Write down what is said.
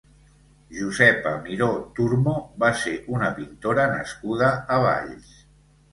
Josepa Miró Turmo va ser una pintora nascuda a Valls.